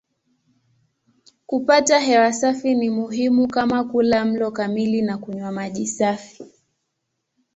Kupata hewa safi ni muhimu kama kula mlo kamili na kunywa maji safi.